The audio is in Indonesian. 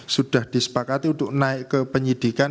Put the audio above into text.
sudah disepakati untuk naik ke penyidikan